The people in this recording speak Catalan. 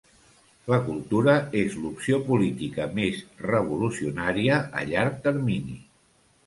«La cultura és l'opció política més revolucionària a llarg termini».